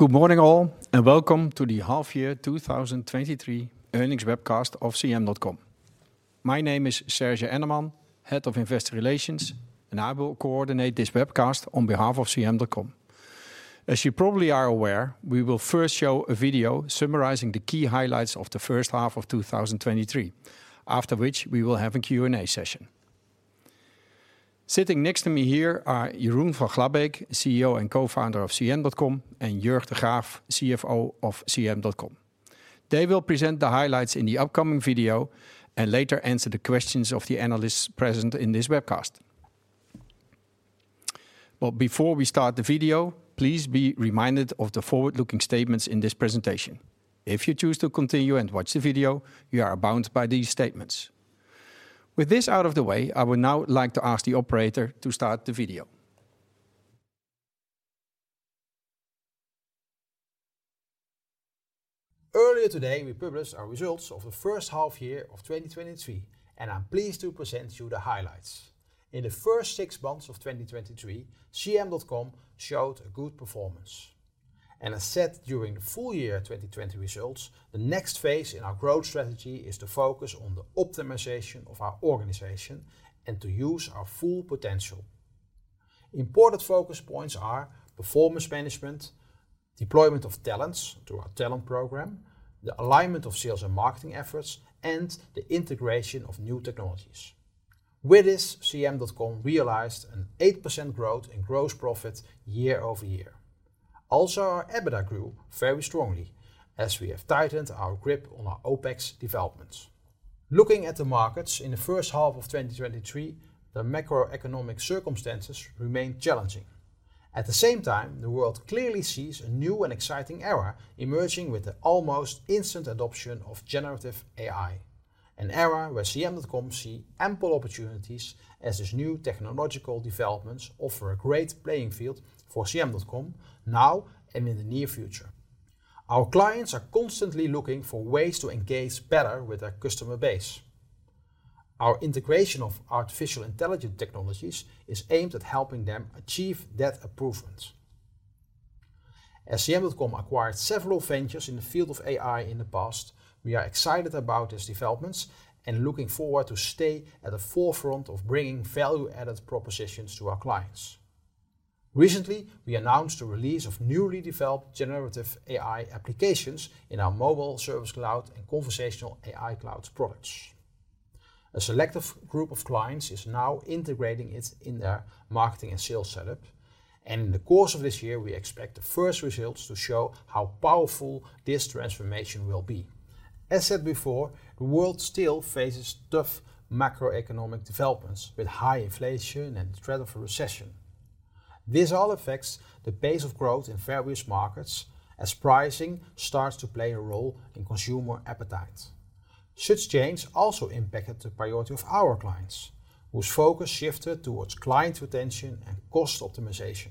Good morning, all, welcome to the half year 2023 earnings webcast of CM.com. My name is Serge Enneman, Head of Investor Relations, I will coordinate this webcast on behalf of CM.com. As you probably are aware, we will first show a video summarizing the key highlights of the H1 of 2023, after which we will have a Q&A session. Sitting next to me here are Jeroen van Glabbeek, CEO and Co-founder of CM.com, and Jörg de Graaf, CFO of CM.com. They will present the highlights in the upcoming video and later answer the questions of the analysts present in this webcast. Before we start the video, please be reminded of the forward-looking statements in this presentation. If you choose to continue and watch the video, you are bound by these statements. With this out of the way, I would now like to ask the operator to start the video. Earlier today, we published our results of the H1 year of 2023. I'm pleased to present you the highlights. In the first six months of 2023, CM.com showed a good performance. As said during the full year 2020 results, the next phase in our growth strategy is to focus on the optimization of our organization and to use our full potential. Important focus points are performance management, deployment of talents through our talent program, the alignment of sales and marketing efforts, and the integration of new technologies. With this, CM.com realized an 8% growth in gross profit year-over-year. Also, our EBITDA grew very strongly as we have tightened our grip on our OPEX developments. Looking at the markets in the H1 of 2023, the macroeconomic circumstances remained challenging. At the same time, the world clearly sees a new and exciting era emerging with the almost instant adoption of generative AI. An era where CM.com see ample opportunities as these new technological developments offer a great playing field for CM.com now and in the near future. Our clients are constantly looking for ways to engage better with their customer base. Our integration of artificial intelligence technologies is aimed at helping them achieve that improvement. As CM.com acquired several ventures in the field of AI in the past, we are excited about these developments and looking forward to stay at the forefront of bringing value-added propositions to our clients. Recently, we announced the release of newly developed generative AI applications in our Mobile Service Cloud and Conversational AI Cloud products. A selective group of clients is now integrating it in their marketing and sales setup, and in the course of this year, we expect the first results to show how powerful this transformation will be. As said before, the world still faces tough macroeconomic developments with high inflation and the threat of a recession. This all affects the pace of growth in various markets as pricing starts to play a role in consumer appetite. Such change also impacted the priority of our clients, whose focus shifted towards client retention and cost optimization.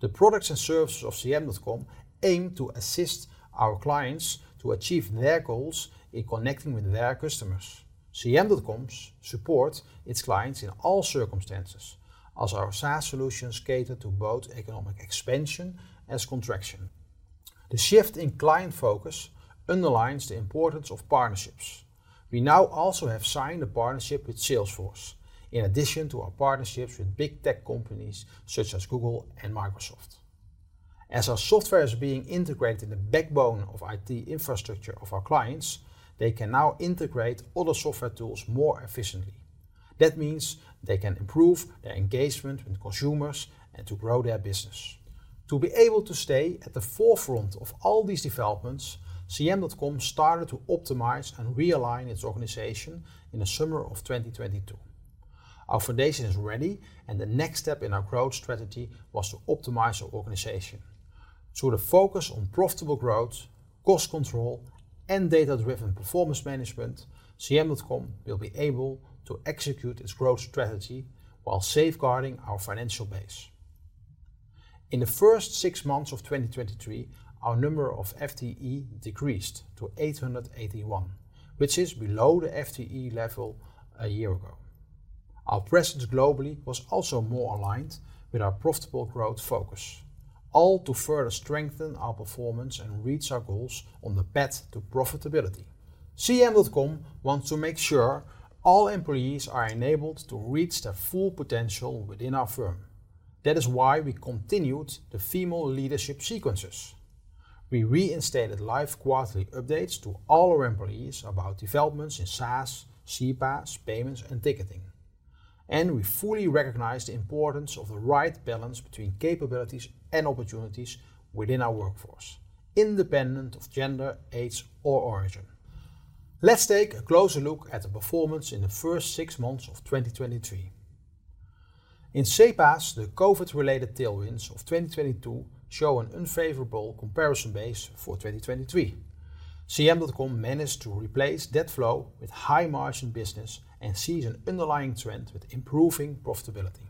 The products and services of CM.com aim to assist our clients to achieve their goals in connecting with their customers. CM.com supports its clients in all circumstances, as our SaaS solutions cater to both economic expansion and contraction. The shift in client focus underlines the importance of partnerships. We now also have signed a partnership with Salesforce, in addition to our partnerships with big tech companies such as Google and Microsoft. As our software is being integrated in the backbone of IT infrastructure of our clients, they can now integrate other software tools more efficiently. That means they can improve their engagement with consumers and to grow their business. To be able to stay at the forefront of all these developments, CM.com started to optimize and realign its organization in the summer of 2022. Our foundation is ready, and the next step in our growth strategy was to optimize our organization. Through the focus on profitable growth, cost control, and data-driven performance management, CM.com will be able to execute its growth strategy while safeguarding our financial base. In the first 6 months of 2023, our number of FTE decreased to 881, which is below the FTE level a year ago. Our presence globally was also more aligned with our profitable growth focus, all to further strengthen our performance and reach our goals on the path to profitability. CM.com wants to make sure all employees are enabled to reach their full potential within our firm. That is why we continued the female leadership series. We reinstated live quarterly updates to all our employees about developments in SaaS, CPaaS, payments, and ticketing. We fully recognize the importance of the right balance between capabilities and opportunities within our workforce, independent of gender, age, or origin. Let's take a closer look at the performance in the first 6 months of 2023. In CPaaS, the COVID-related tailwinds of 2022 show an unfavorable comparison base for 2023. CM.com managed to replace that flow with high-margin business and sees an underlying trend with improving profitability.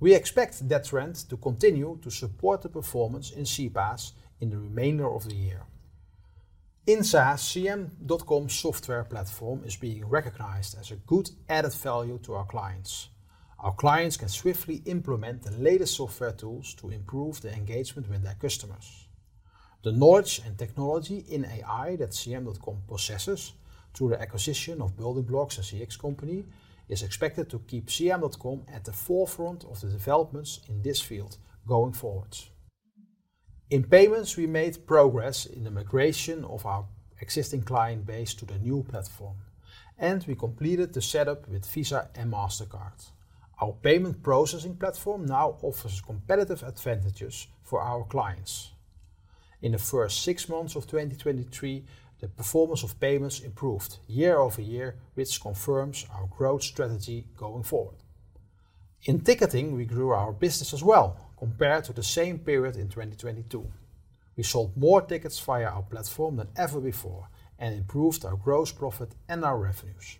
We expect that trend to continue to support the performance in CPaaS in the remainder of the year. In SaaS, CM.com software platform is being recognized as a good added value to our clients. Our clients can swiftly implement the latest software tools to improve the engagement with their customers. The knowledge and technology in AI that CM.com possesses through the acquisition of Building Blocks and CX Company, is expected to keep CM.com at the forefront of the developments in this field going forward. In payments, we made progress in the migration of our existing client base to the new platform, and we completed the setup with Visa and Mastercard. Our payment processing platform now offers competitive advantages for our clients. In the first 6 months of 2023, the performance of payments improved year-over-year, which confirms our growth strategy going forward. In ticketing, we grew our business as well compared to the same period in 2022. We sold more tickets via our platform than ever before and improved our gross profit and our revenues.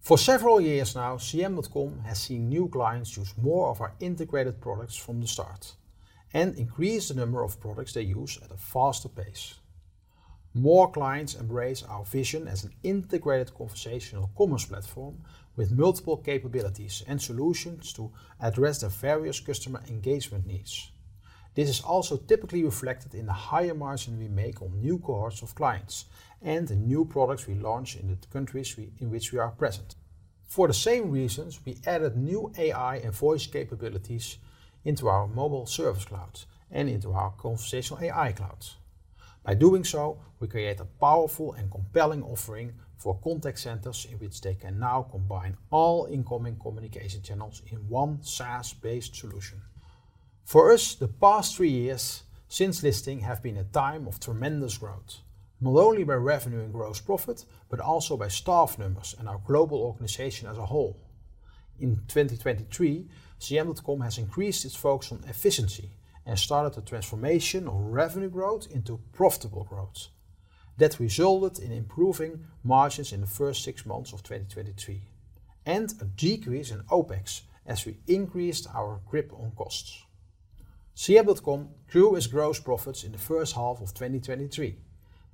For several years now, CM.com has seen new clients use more of our integrated products from the start and increase the number of products they use at a faster pace. More clients embrace our vision as an integrated conversational commerce platform with multiple capabilities and solutions to address their various customer engagement needs. This is also typically reflected in the higher margin we make on new cohorts of clients and the new products we launch in the countries we, in which we are present. For the same reasons, we added new AI and voice capabilities into our Mobile Service Cloud and into our Conversational AI Clouds. By doing so, we create a powerful and compelling offering for contact centers in which they can now combine all incoming communication channels in one SaaS-based solution. For us, the past three years since listing have been a time of tremendous growth, not only by revenue and gross profit, but also by staff numbers and our global organization as a whole. In 2023, CM.com has increased its focus on efficiency and started a transformation of revenue growth into profitable growth. That resulted in improving margins in the first 6 months of 2023 and a decrease in OpEx as we increased our grip on costs. CM.com grew its gross profits in the H1 of 2023,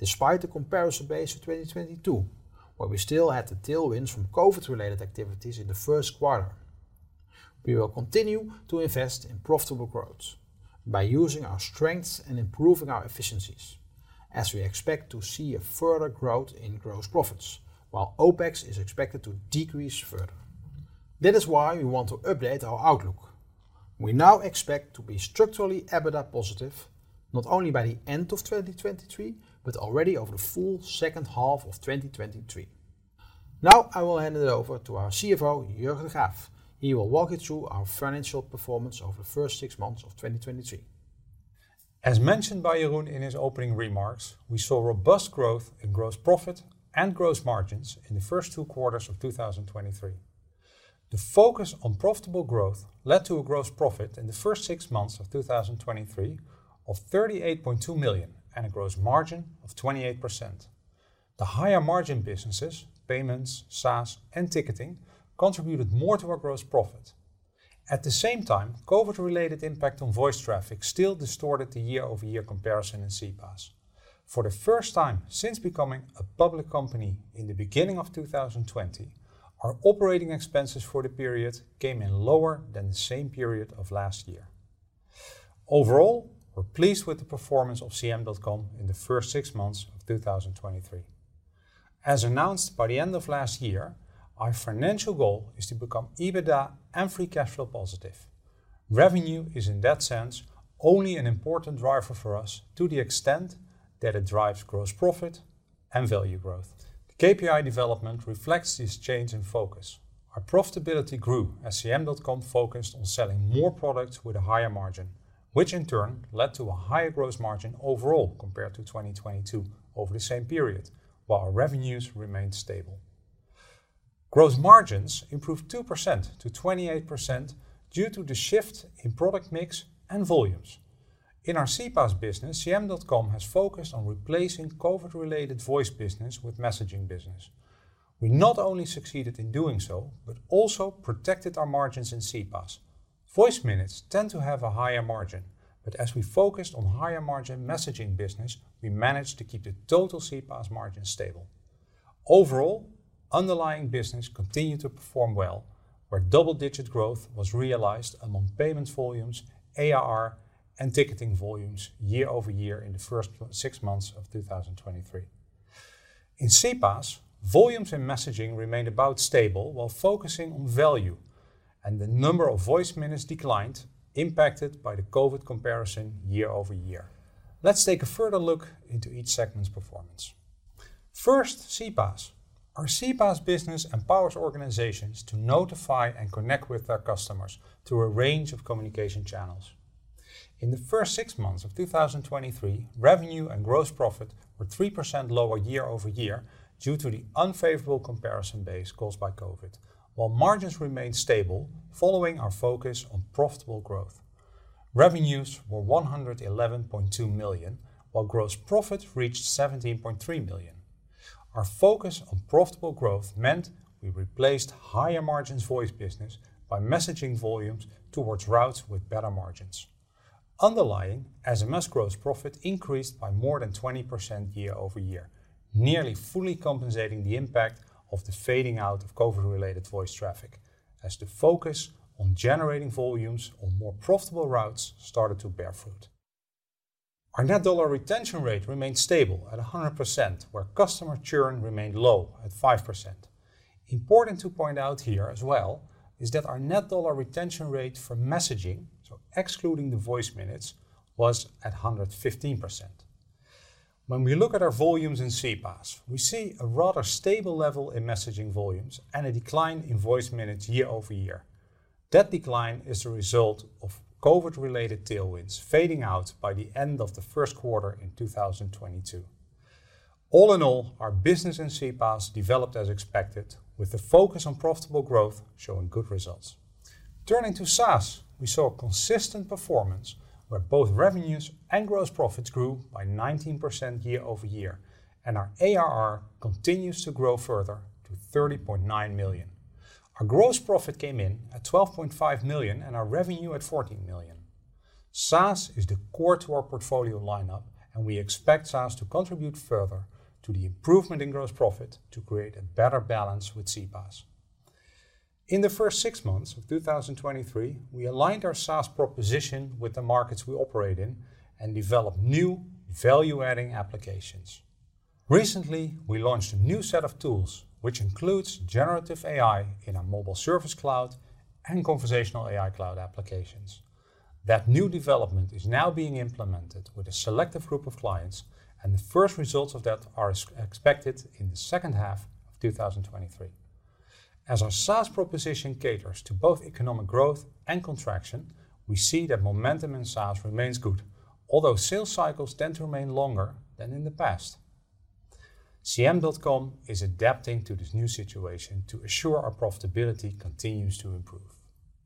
despite the comparison base of 2022, where we still had the tailwinds from COVID-related activities in the Q1. We will continue to invest in profitable growth by using our strengths and improving our efficiencies, as we expect to see a further growth in gross profits, while OpEx is expected to decrease further. That is why we want to update our outlook. We now expect to be structurally EBITDA positive, not only by the end of 2023, but already over the full H2 of 2023. Now, I will hand it over to our CFO, Jörg de Graaf. He will walk you through our financial performance over the first six months of 2023. As mentioned by Jeroen in his opening remarks, we saw robust growth in gross profit and gross margins in the first two quarters of 2023. The focus on profitable growth led to a gross profit in the first six months of 2023 of 38.2 million and a gross margin of 28%. The higher margin businesses, payments, SaaS, and ticketing, contributed more to our gross profit. At the same time, COVID-related impact on voice traffic still distorted the year-over-year comparison in CPaaS. For the first time since becoming a public company in the beginning of 2020, our operating expenses for the period came in lower than the same period of last year. Overall, we're pleased with the performance of CM.com in the first six months of 2023. As announced by the end of last year, our financial goal is to become EBITDA and free cash flow positive. Revenue is, in that sense, only an important driver for us to the extent that it drives gross profit and value growth. The KPI development reflects this change in focus. Our profitability grew as CM.com focused on selling more products with a higher margin, which in turn led to a higher gross margin overall compared to 2022 over the same period, while our revenues remained stable. Gross margins improved 2 to 28% due to the shift in product mix and volumes. In our CPaaS business, CM.com has focused on replacing COVID-related voice business with messaging business. We not only succeeded in doing so but also protected our margins in CPaaS. Voice minutes tend to have a higher margin, but as we focused on higher-margin messaging business, we managed to keep the total CPaaS margin stable. Overall, underlying business continued to perform well, where double-digit growth was realized among payment volumes, ARR, and ticketing volumes year-over-year in the first six months of 2023. In CPaaS, volumes in messaging remained about stable while focusing on value, and the number of voice minutes declined, impacted by the COVID comparison year-over-year. Let's take a further look into each segment's performance. First, CPaaS. Our CPaaS business empowers organizations to notify and connect with their customers through a range of communication channels. In the first six months of 2023, revenue and gross profit were 3% lower year-over-year due to the unfavorable comparison base caused by COVID, while margins remained stable following our focus on profitable growth. Revenues were 111.2 million, while gross profit reached 17.3 million. Our focus on profitable growth meant we replaced higher margins voice business by messaging volumes towards routes with better margins. Underlying as a mass, gross profit increased by more than 20% year-over-year, nearly fully compensating the impact of the fading out of COVID-related voice traffic, as the focus on generating volumes on more profitable routes started to bear fruit. Our net dollar retention rate remained stable at 100%, where customer churn remained low at 5%. Important to point out here as well, is that our net dollar retention rate for messaging, so excluding the voice minutes, was at 115%. When we look at our volumes in CPaaS, we see a rather stable level in messaging volumes and a decline in voice minutes year-over-year. That decline is a result of COVID-related tailwinds fading out by the end of the Q1 in 2022. All in all, our business in CPaaS developed as expected, with the focus on profitable growth showing good results. Turning to SaaS, we saw a consistent performance where both revenues and gross profits grew by 19% year-over-year, and our ARR continues to grow further to 30.9 million. Our gross profit came in at 12.5 million and our revenue at 14 million. SaaS is the core to our portfolio lineup, and we expect SaaS to contribute further to the improvement in gross profit to create a better balance with CPaaS. In the first 6 months of 2023, we aligned our SaaS proposition with the markets we operate in and developed new value-adding applications. Recently, we launched a new set of tools, which includes generative AI in our Mobile Service Cloud and Conversational AI Cloud applications. That new development is now being implemented with a selective group of clients, and the first results of that are expected in the H2 of 2023. As our SaaS proposition caters to both economic growth and contraction, we see that momentum in SaaS remains good, although sales cycles tend to remain longer than in the past. CM.com is adapting to this new situation to assure our profitability continues to improve.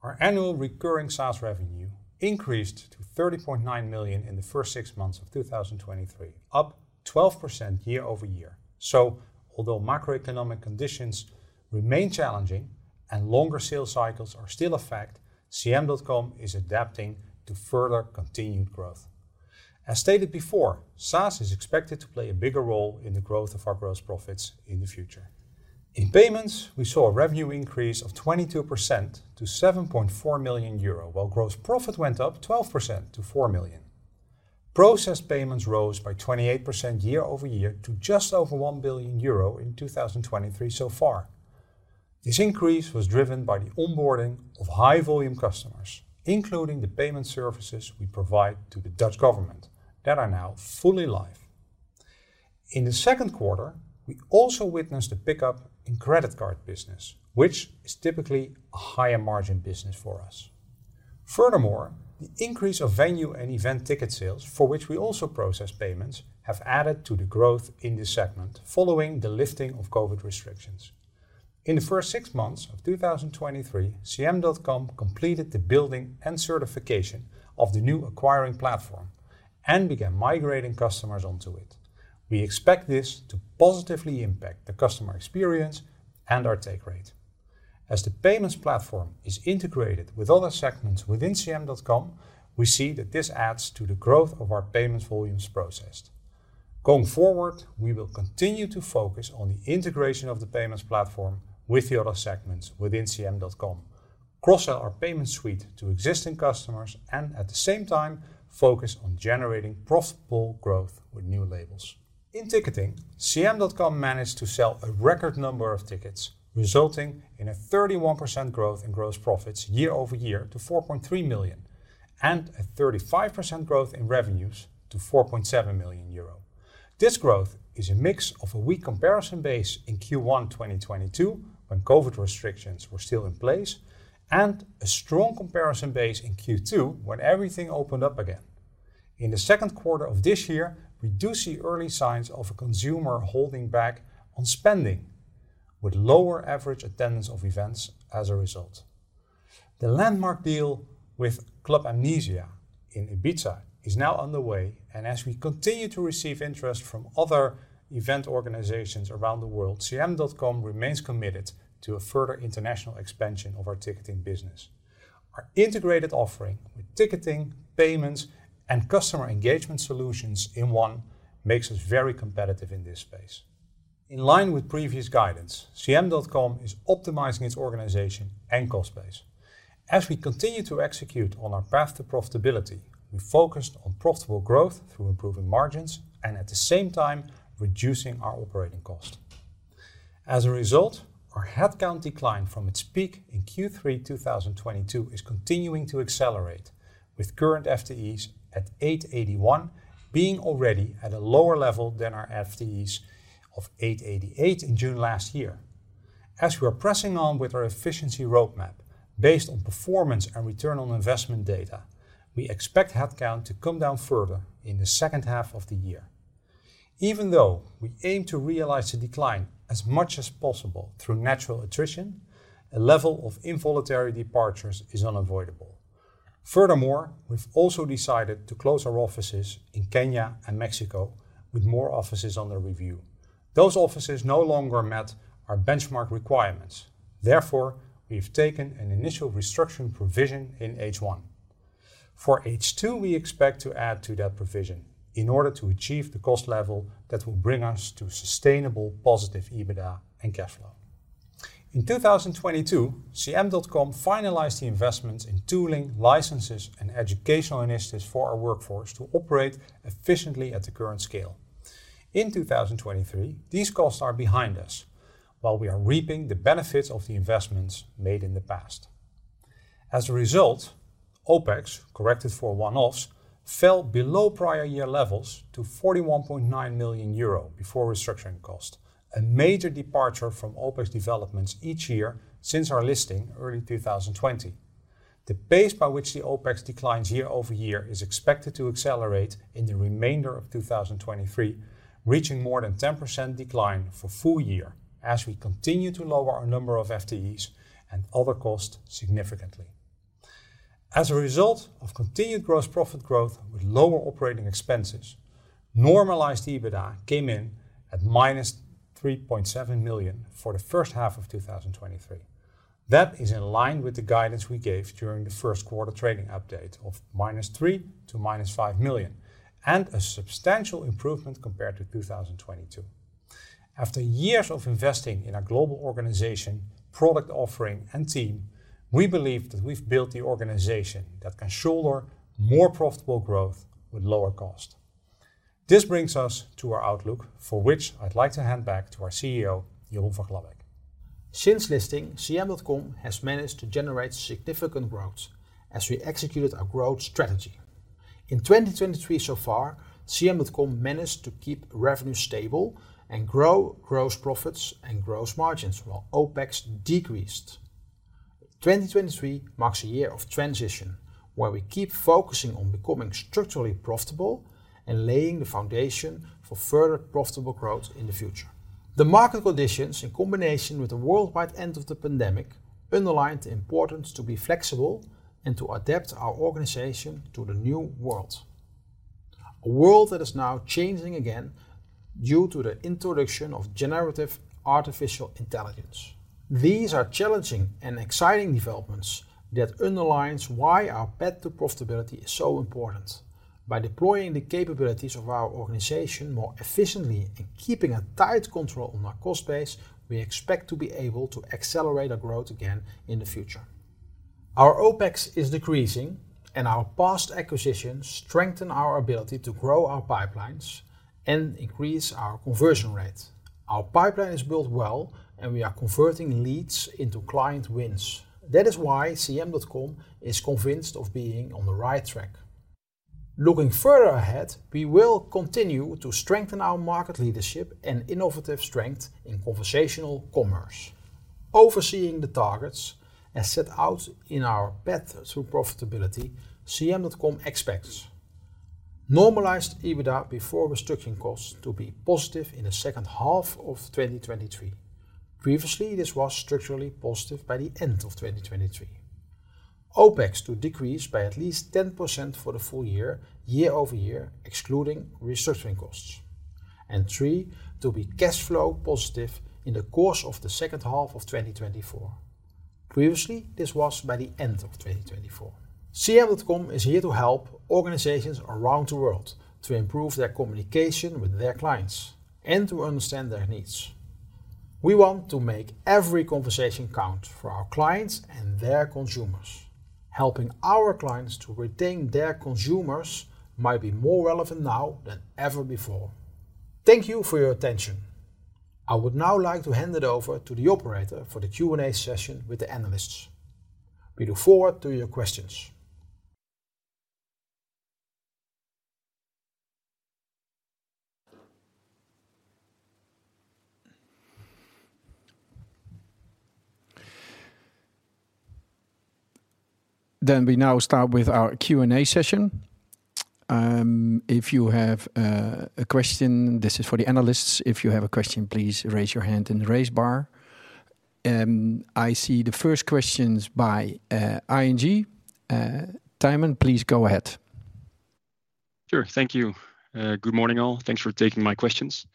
Our annual recurring SaaS revenue increased to 30.9 million in the first six months of 2023, up 12% year-over-year. Although macroeconomic conditions remain challenging and longer sales cycles are still a fact, CM.com is adapting to further continued growth. As stated before, SaaS is expected to play a bigger role in the growth of our gross profits in the future. In payments, we saw a revenue increase of 22% to 7.4 million euro, while gross profit went up 12% to 4 million. Processed payments rose by 28% year-over-year to just over 1 billion euro in 2023 so far. This increase was driven by the onboarding of high-volume customers, including the payment services we provide to the Dutch government that are now fully live. In the H2, we also witnessed a pickup in credit card business, which is typically a higher margin business for us. Furthermore, the increase of venue and event ticket sales, for which we also process payments, have added to the growth in this segment, following the lifting of COVID restrictions. In the first six months of 2023, CM.com completed the building and certification of the new acquiring platform and began migrating customers onto it. We expect this to positively impact the customer experience and our take rate. As the payments platform is integrated with other segments within CM.com, we see that this adds to the growth of our payments volumes processed. Going forward, we will continue to focus on the integration of the payments platform with the other segments within CM.com, cross-sell our payment suite to existing customers, and at the same time focus on generating profitable growth with new labels. In ticketing, CM.com managed to sell a record number of tickets, resulting in a 31% growth in gross profits year-over-year to 4.3 million and a 35% growth in revenues to 4.7 million euro. This growth is a mix of a weak comparison base in Q1 2022, when COVID restrictions were still in place, and a strong comparison base in Q2, when everything opened up again. In the H2 of this year, we do see early signs of a consumer holding back on spending, with lower average attendance of events as a result. The landmark deal with Amnesia Ibiza in Ibiza is now underway. As we continue to receive interest from other event organizations around the world, CM.com remains committed to a further international expansion of our ticketing business. Our integrated offering with ticketing, payments, and customer engagement solutions in one makes us very competitive in this space. In line with previous guidance, CM.com is optimizing its organization and cost base. As we continue to execute on our path to profitability, we focused on profitable growth through improving margins and at the same time reducing our operating cost. As a result, our headcount decline from its peak in Q3 2022 is continuing to accelerate, with current FTEs at 881 being already at a lower level than our FTEs of 888 in June last year. As we are pressing on with our efficiency roadmap based on performance and return on investment data, we expect headcount to come down further in the H2 of the year. Even though we aim to realize the decline as much as possible through natural attrition, a level of involuntary departures is unavoidable. We've also decided to close our offices in Kenya and Mexico, with more offices under review. Those offices no longer met our benchmark requirements, therefore, we've taken an initial restructuring provision in H1. For H2, we expect to add to that provision in order to achieve the cost level that will bring us to sustainable positive EBITDA and cash flow. In 2022, CM.com finalized the investments in tooling, licenses, and educational initiatives for our workforce to operate efficiently at the current scale. In 2023, these costs are behind us, while we are reaping the benefits of the investments made in the past. As a result, OPEX, corrected for one-offs, fell below prior year levels to 41.9 million euro before restructuring costs, a major departure from OPEX developments each year since our listing early 2020. The pace by which the OPEX declines year-over-year is expected to accelerate in the remainder of 2023, reaching more than 10% decline for full year as we continue to lower our number of FTEs and other costs significantly. As a result of continued gross profit growth with lower operating expenses, normalized EBITDA came in at -3.7 million for the H1 of 2023. That is in line with the guidance we gave during the Q1 trading update of -3 million to -5 million, and a substantial improvement compared to 2022. After years of investing in our global organization, product offering, and team, we believe that we've built the organization that can shoulder more profitable growth with lower cost. This brings us to our outlook, for which I'd like to hand back to our CEO, Jeroen van Glabbeek. Since listing, CM.com has managed to generate significant growth as we executed our growth strategy. In 2023 so far, CM.com managed to keep revenue stable and grow gross profits and gross margins, while OpEx decreased. 2023 marks a year of transition, where we keep focusing on becoming structurally profitable and laying the foundation for further profitable growth in the future. The market conditions, in combination with the worldwide end of the pandemic, underlined the importance to be flexible and to adapt our organization to the new world. A world that is now changing again due to the introduction of generative artificial intelligence. These are challenging and exciting developments that underlines why our path to profitability is so important. By deploying the capabilities of our organization more efficiently and keeping a tight control on our cost base, we expect to be able to accelerate our growth again in the future. Our OPEX is decreasing, and our past acquisitions strengthen our ability to grow our pipelines and increase our conversion rate. Our pipeline is built well, and we are converting leads into client wins. That is why CM.com is convinced of being on the right track. Looking further ahead, we will continue to strengthen our market leadership and innovative strength in conversational commerce. Overseeing the targets, as set out in our path to profitability, CM.com expects normalized EBITDA before restructuring costs to be positive in the H2 of 2023. Previously, this was structurally positive by the end of 2023. OPEX to decrease by at least 10% for the full year-over-year, excluding restructuring costs. Three, to be cash flow positive in the course of the H2 of 2024. Previously, this was by the end of 2024. CM.com is here to help organizations around the world to improve their communication with their clients and to understand their needs. We want to make every conversation count for our clients and their consumers. Helping our clients to retain their consumers might be more relevant now than ever before. Thank you for your attention. I would now like to hand it over to the operator for the Q&A session with the analysts. We look forward to your questions. We now start with our Q&A session. If you have a question, this is for the analysts. If you have a question, please raise your hand in the RaiseBar. I see the first question is by ING. Thymen, please go ahead. Sure. Thank you. Good morning, all. Thanks for taking my questions.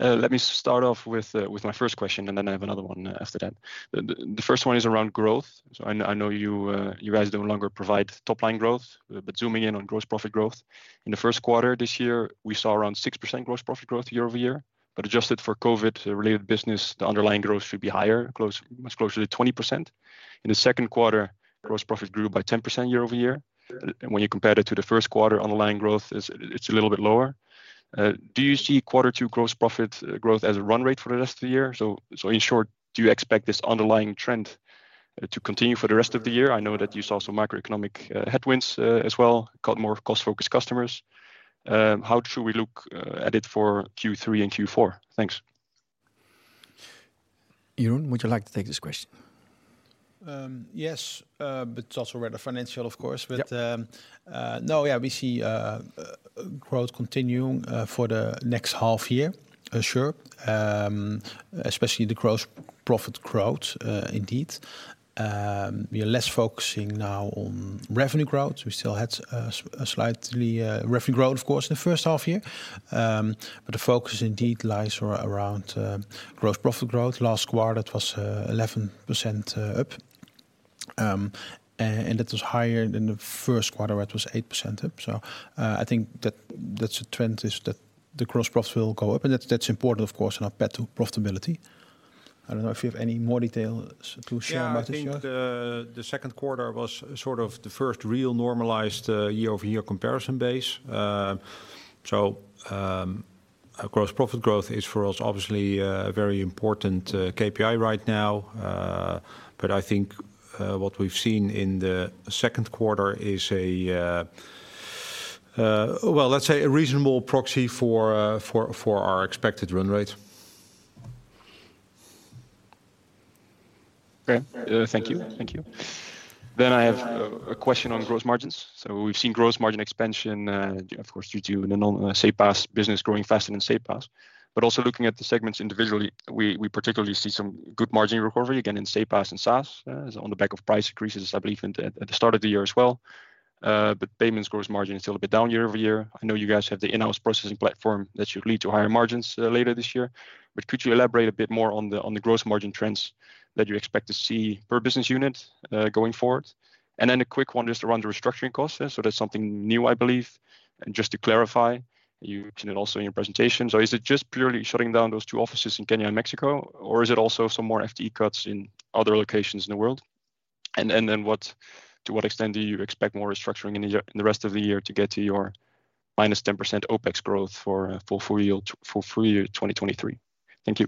Let me start off with my first question, and then I have another one after that. The first one is around growth. I know you guys no longer provide top-line growth, but zooming in on gross profit growth. In the Q1 this year, we saw around 6% gross profit growth year-over-year, but adjusted for COVID-related business, the underlying growth should be higher, much closer to 20%. In the H2, gross profit grew by 10% year-over-year. When you compare it to the Q1, it's a little bit lower. Do you see quarter two gross profit growth as a run rate for the rest of the year? In short, do you expect this underlying trend to continue for the rest of the year? I know that you saw some macroeconomic headwinds as well, got more cost-focused customers. How should we look at it for Q3 and Q4? Thanks. Jeroen, would you like to take this question? Yes, it's also rather financial, of course. Yep. We see growth continuing for the next half year. Sure, especially the gross profit growth indeed. We are less focusing now on revenue growth. We still had a slightly revenue growth, of course, in the H1 year. The focus indeed lies around gross profit growth. Last quarter, it was 11% up. It was higher than the Q1, where it was 8% up. I think that that's a trend, is that the gross profit will go up, and that's important, of course, in our path to profitability. I don't know if you have any more details to share about this, yeah? I think the H2 was sort of the first real normalized, year-over-year comparison base. Our gross profit growth is, for us, obviously, a very important, KPI right now. I think, what we've seen in the H2 is a well, let's say a reasonable proxy for our expected run rate. Thank you. I have a question on gross margins. We've seen gross margin expansion, of course, due to the non-CPaaS business growing faster than CPaaS. Also looking at the segments individually, we particularly see some good margin recovery, again, in CPaaS and SaaS, on the back of price increases, I believe, at the start of the year as well. Payments gross margin is still a bit down year-over-year. I know you guys have the in-house processing platform that should lead to higher margins later this year. Could you elaborate a bit more on the gross margin trends that you expect to see per business unit going forward? A quick one, just around the restructuring costs. That's something new, I believe. Just to clarify, you mentioned it also in your presentation, is it just purely shutting down those two offices in Kenya and Mexico, or is it also some more FTE cuts in other locations in the world? Then to what extent do you expect more restructuring in the year, in the rest of the year to get to your -10% OPEX growth for full year 2023? Thank you.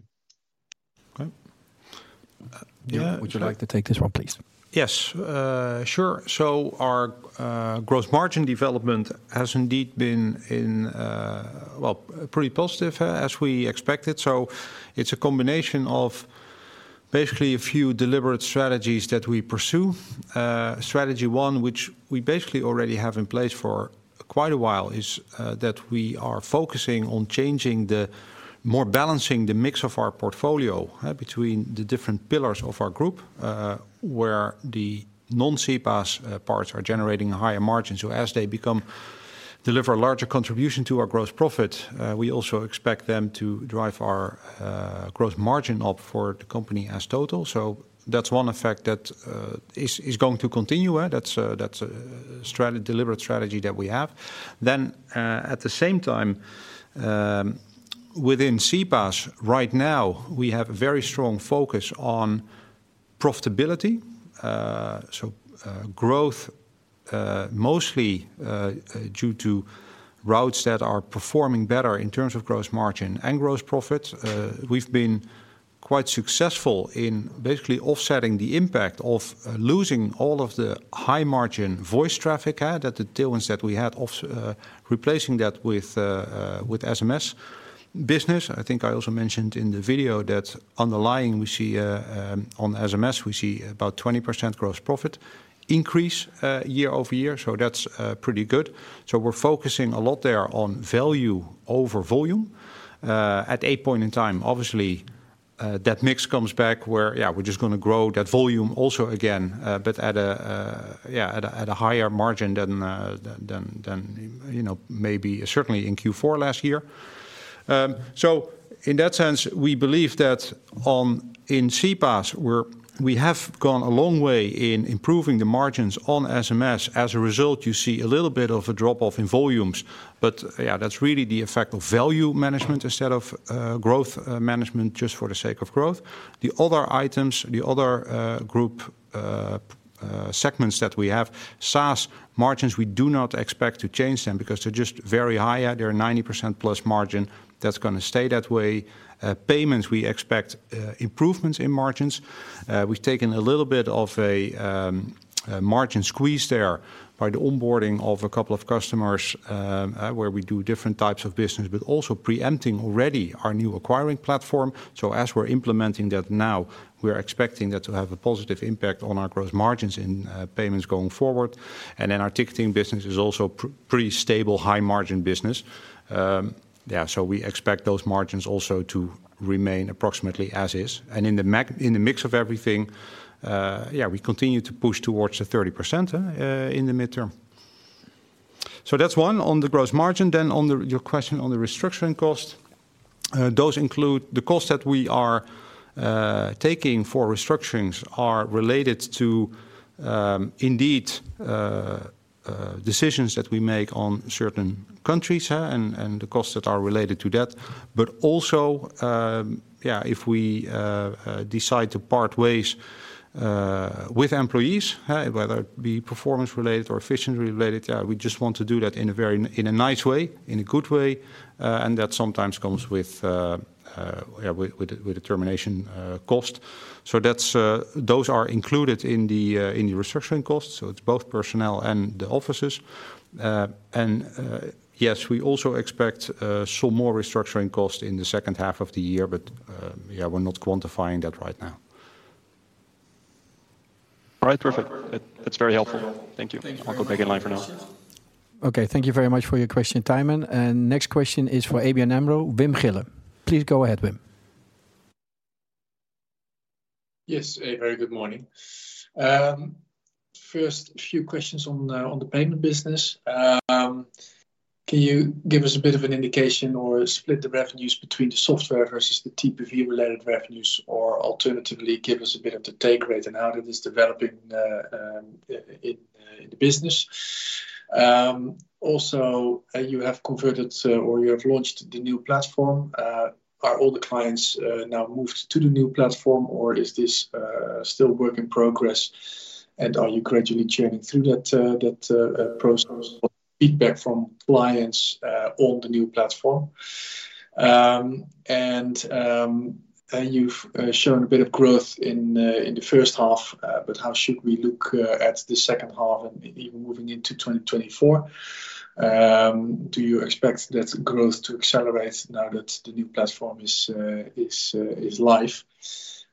Okay. Would you like to take this one, please? Yes, sure. Our gross margin development has indeed been in, well, pretty positive, as we expected. It's a combination of basically a few deliberate strategies that we pursue. Strategy one, which we basically already have in place for quite a while, is that we are focusing on more balancing the mix of our portfolio between the different pillars of our group, where the non-CPaaS parts are generating higher margins. As they become, deliver a larger contribution to our gross profit, we also expect them to drive our gross margin up for the company as total. That's one effect that is going to continue; that's a deliberate strategy that we have. At the same time, within CPaaS, right now, we have a very strong focus on profitability. Growth, mostly, due to routes that are performing better in terms of gross margin and gross profit. We've been quite successful in basically offsetting the impact of losing all of the high-margin voice traffic, that the deal ones that we had of replacing that with SMS business. I think I also mentioned in the video that underlying we see, on SMS, we see about 20% gross profit increase, year-over-year, so that's pretty good. We're focusing a lot there on value over volume. At a point in time, obviously, that mix comes back where, yeah, we're just going to grow that volume also again, but at a, yeah, higher margin than, you know, maybe certainly in Q4 last year. In that sense, we believe that, in CPaaS, we have gone a long way in improving the margins on SMS. As a result, you see a little bit of a drop-off in volumes. Yeah, that's really the effect of value management instead of growth management, just for the sake of growth. The other items, the other group segments that we have, SaaS margins, we do not expect to change them because they're just very high. They're 90% plus margin, that's gonna stay that way. Payments, we expect improvements in margins. We've taken a little bit of a margin squeeze there by the onboarding of a couple of customers where we do different types of business, but also preempting already our new acquiring platform. As we're implementing that now, we are expecting that to have a positive impact on our gross margins in payments going forward. Our ticketing business is also pretty stable, high-margin business. Yeah, so we expect those margins also to remain approximately as is. In the mix of everything, yeah, we continue to push towards the 30% in the midterm. That's one on the gross margin. On the... Your question on the restructuring cost, those include the costs that we are taking for restructurings are related to, indeed, decisions that we make on certain countries, and the costs that are related to that. But also, yeah, if we decide to part ways with employees, whether it be performance-related or efficiency-related, we just want to do that in a nice way, in a good way, and that sometimes comes with, yeah, with a termination, cost. That's, those are included in the restructuring costs, so it's both personnel and the offices. Yes, we also expect some more restructuring costs in the H2 of the year, yeah, we're not quantifying that right now. All right. Perfect. That's very helpful. Thank you. I'll go back in line for now. Okay, thank you very much for your question, Thymen. Next question is for ABN AMRO, Wim Gille. Please go ahead, Wim. Yes, a very good morning. First, a few questions on the payment business. Can you give us a bit of an indication or split the revenues between the software versus the TPV-related revenues, or alternatively, give us a bit of the take rate and how that is developing in the business? Also, you have converted or you have launched the new platform. Are all the clients now moved to the new platform, or is this still work in progress, and are you gradually churning through that process, feedback from clients on the new platform? You've shown a bit of growth in the H1, but how should we look at the H2 and even moving into 2024? Do you expect that growth to accelerate now that the new platform is live?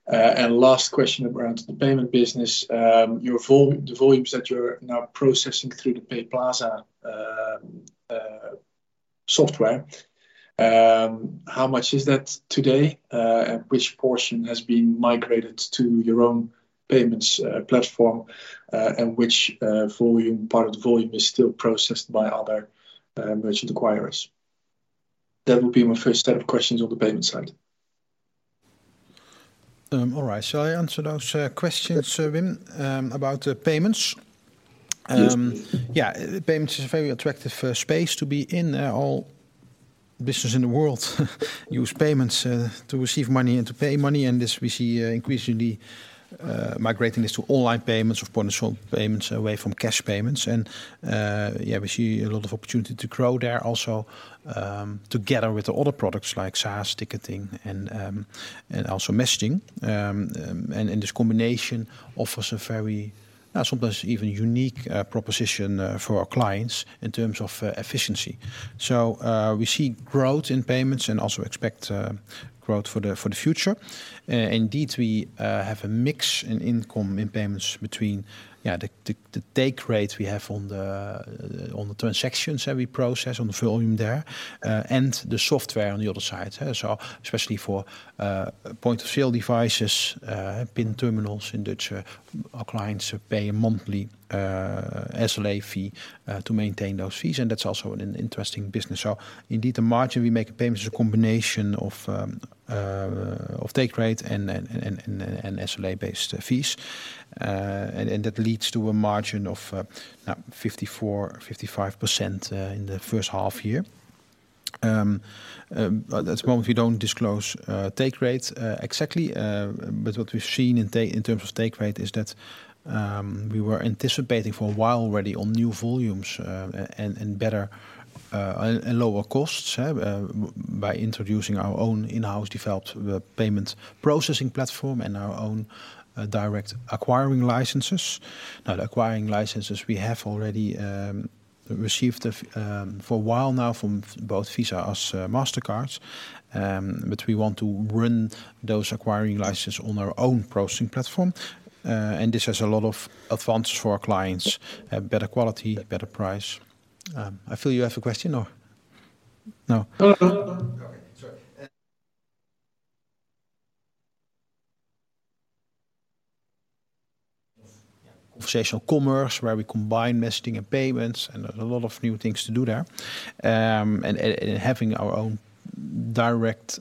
Last question around the payment business. The volumes that you're now processing through the PayPlaza software, how much is that today? And which portion has been migrated to your own payments platform, and which part of the volume is still processed by other merchant acquirers? That would be my first set of questions on the payment side. All right. Shall I answer those questions, Wim, about the payments? Yes, please. Yeah, payments is a very attractive space to be in. All business in the world use payments to receive money and to pay money, and this we see increasingly migrating this to online payments, of point-of-sale payments, away from cash payments. Yeah, we see a lot of opportunity to grow there also, together with the other products like SaaS, ticketing, and also messaging. And this combination offers a very sometimes even unique proposition for our clients in terms of efficiency. We see growth in payments and also expect growth for the future. Indeed, we have a mix in income in payments between, yeah, the take rate we have on the transactions that we process, on the volume there, and the software on the other side. Especially for point-of-sale devices, PIN terminals, in which our clients pay a monthly SLA fee to maintain those fees, and that's also an interesting business. Indeed, the margin we make in payments is a combination of take rate and SLA-based fees. That leads to a margin of now 54 to 55% in the H1 year. At this moment, we don't disclose take rates exactly, but what we've seen in terms of take rate is that we were anticipating for a while already on new volumes and better and lower costs by introducing our own in-house developed payment processing platform and our own direct acquiring licenses. The acquiring licenses, we have already received for a while now from both Visa as Mastercard, but we want to run those acquiring license on our own processing platform. This has a lot of advantage for our clients: better quality, better price. I feel you have a question or... No? No, no. Okay, sorry. Conversational commerce, where we combine messaging and payments, there's a lot of new things to do there. Having our own direct,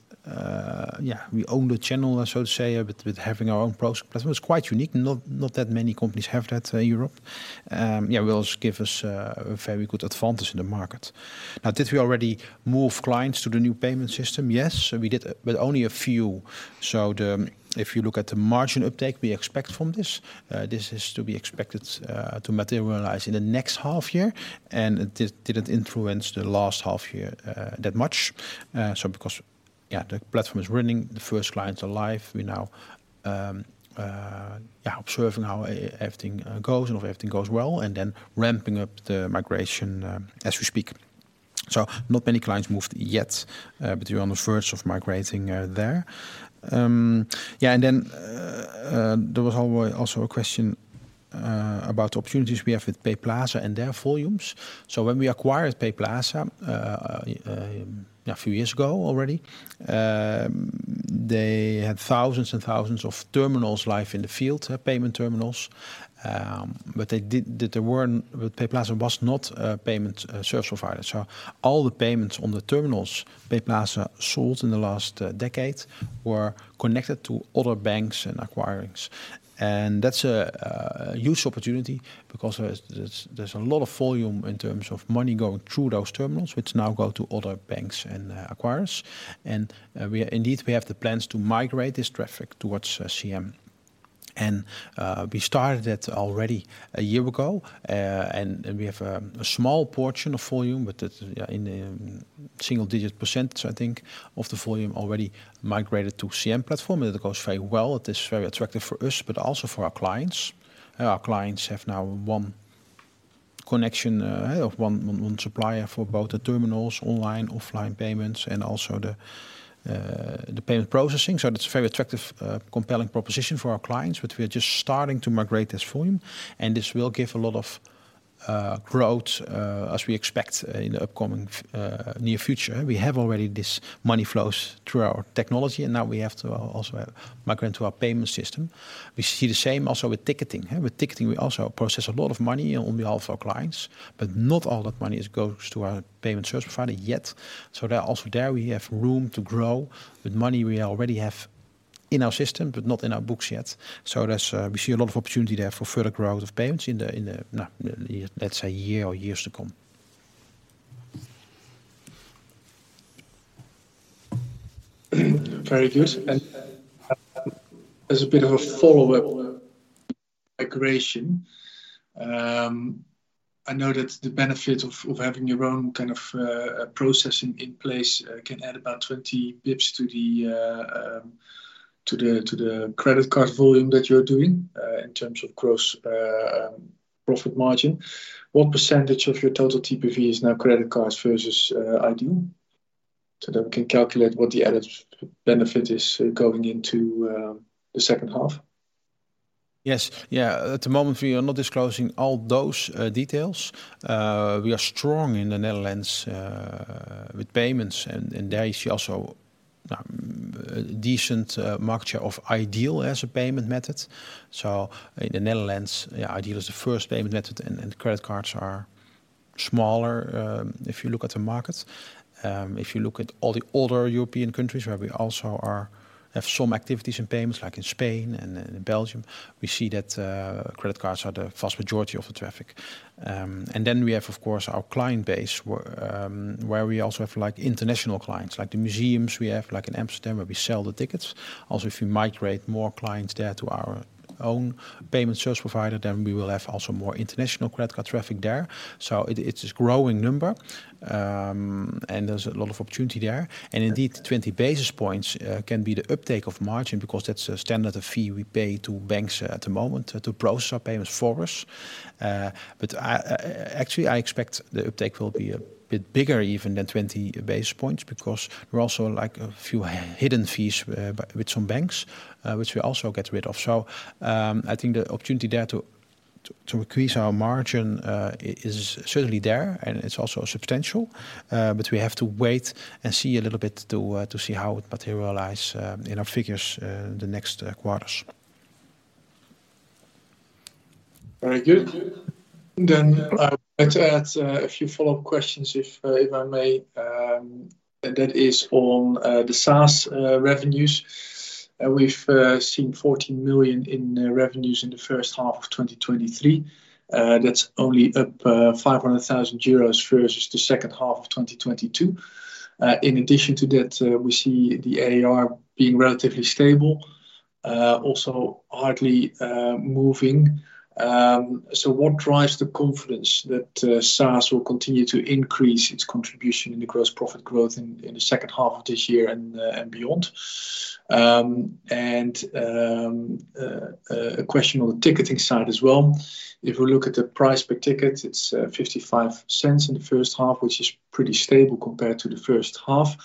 we own the channel, so to say, but with having our own processing platform, is quite unique. Not that many companies have that in Europe. Will give us a very good advantage in the market. Now, did we already move clients to the new payment system? Yes, we did, but only a few. If you look at the margin uptake we expect from this is to be expected to materialize in the next half year, and it did, didn't influence the last half year that much. Because the platform is running, the first clients are live, we now observing how everything goes, and if everything goes well, and then ramping up the migration as we speak. Not many clients moved yet, but we're on the verge of migrating there. There was also a question about the opportunities we have with PayPlaza and their volumes. When we acquired PayPlaza a few years ago already, they had thousands and thousands of terminals live in the field, payment terminals. PayPlaza was not a payment service provider. All the payments on the terminals PayPlaza sold in the last decade were connected to other banks and acquirers. That's a huge opportunity because there's a lot of volume in terms of money going through those terminals, which now go to other banks and acquirers. We indeed, we have the plans to migrate this traffic towards CM. We started it already a year ago. We have a small portion of volume, but it's, yeah, in the single-digit %, I think, of the volume already migrated to CM platform, and it goes very well. It is very attractive for us, but also for our clients. Our clients have now one connection of one supplier for both the terminals, online, offline payments, and also the payment processing. That's a very attractive, compelling proposition for our clients, but we are just starting to migrate this volume, and this will give a lot of growth as we expect in the upcoming near future. We have already this money flows through our technology, and now we have to also migrate to our payment system. We see the same also with ticketing. With ticketing, we also process a lot of money on behalf of our clients, but not all that money is goes to our payment service provider yet. There, also there, we have room to grow with money we already have in our system, but not in our books yet. There's, we see a lot of opportunity there for further growth of payments in the, in the, let's say, a year or years to come. Very good. As a bit of a follow-up question, I know that the benefit of having your own kind of processing in place can add about 20 pips to the credit card volume that you're doing, in terms of gross profit margin. What % of your total TPV is now credit cards versus iDEAL? That we can calculate what the added benefit is going into the H2. Yes. Yeah, at the moment, we are not disclosing all those details. We are strong in the Netherlands with payments, and there you see also a decent market share of iDEAL as a payment method. In the Netherlands, the iDEAL is the first payment method, and credit cards are smaller if you look at the markets. If you look at all the older European countries where we also are, have some activities in payments, like in Spain and in Belgium, we see that credit cards are the vast majority of the traffic. Then we have, of course, our client base, where we also have like international clients, like the museums we have, like in Amsterdam, where we sell the tickets. If we migrate more clients there to our own payment service provider, then we will have also more international credit card traffic there. It's a growing number, and there's a lot of opportunity there. 20 basis points can be the uptake of margin because that's a standard fee we pay to banks at the moment to process our payments for us. I actually expect the uptake will be a bit bigger even than 20 basis points, because we're also like a few hidden fees with some banks, which we also get rid of. I think the opportunity there to increase our margin is certainly there, and it's also substantial, but we have to wait and see a little bit to see how it materialize in our figures in the next quarters. I'd like to add a few follow-up questions, if I may, and that is on the SaaS revenues. We've seen 14 million in revenues in the H1 of 2023. That's only up 500,000 euros versus the H2 of 2022. In addition to that, we see the ARR being relatively stable, also hardly moving. What drives the confidence that SaaS will continue to increase its contribution in the gross profit growth in the H2 of this year and beyond? A question on the ticketing side as well. If we look at the price per ticket, it's 0.55 in the H1, which is pretty stable compared to the H1.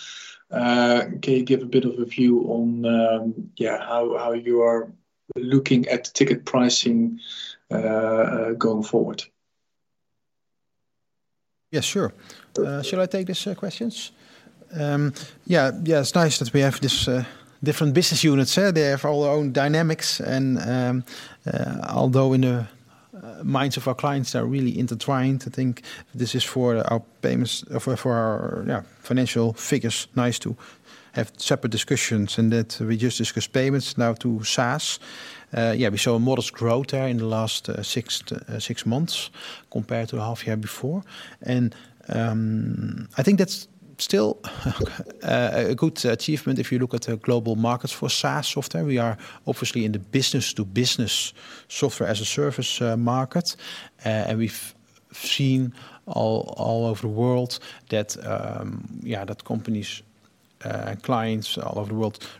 Can you give a bit of a view on, yeah, how you are looking at ticket pricing going forward? Yes, sure. Shall I take these questions? Yeah, yeah, it's nice that we have this different business units. They have all their own dynamics and although in the minds of our clients, they are really intertwined. I think this is for our payments, for our, yeah, financial figures, nice to have separate discussions, and that we just discuss payments now to SaaS. Yeah, we saw a modest growth there in the last 6 to 6 months compared to a half year before. I think that's still a good achievement if you look at the global markets for SaaS software. We are obviously in the business-to-business software as a service market, and we've seen all over the world that, yeah, that companies, clients all over the world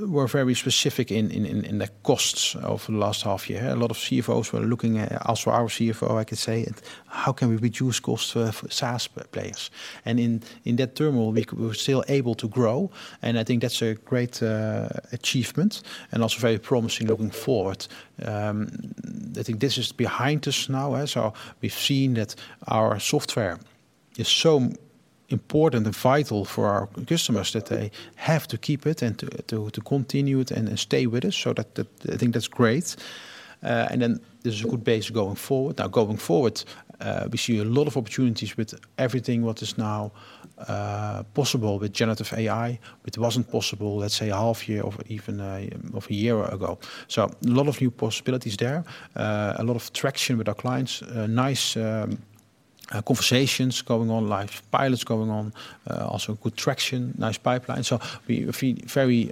were very specific in the costs over the last half year. A lot of CFOs were looking at... Also our CFO, I could say, "How can we reduce costs for SaaS players?" In that term, we're still able to grow, and I think that's a great achievement and also very promising looking forward. I think this is behind us now, as so we've seen that our software is so important and vital for our customers that they have to keep it and to continue it and stay with us. That, I think that's great. Then there's a good base going forward. Going forward, we see a lot of opportunities with everything what is now possible with generative AI, which wasn't possible, let's say, a half year or even one year ago. A lot of new possibilities there, a lot of traction with our clients, a nice conversations going on, live pilots going on, also good traction, nice pipeline. We feel very,